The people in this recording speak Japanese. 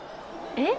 えっ？